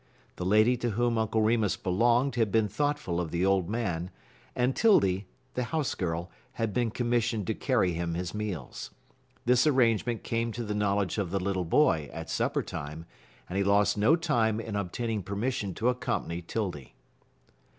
The lady to whom Uncle Remus belonged had been thoughtful of the old man, and 'Tildy, the house girl, had been commissioned to carry him his meals. This arrangement came to the knowledge of the little boy at supper time, and he lost no time in obtaining permission to accompany 'Tildy.